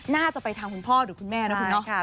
น่าจะไปทางคุณพ่อหรือคุณแม่นะคุณเนาะ